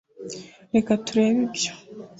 reka turebe ibyo.